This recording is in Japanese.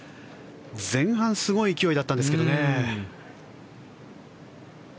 前半すごい勢いだったんですけどね。